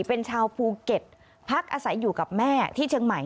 เป็นชาวภูเก็ตพักอาศัยอยู่กับแม่ที่เชียงใหม่